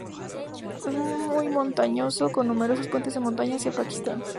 Es muy montañoso, con numerosos puentes de montaña hacia Pakistán.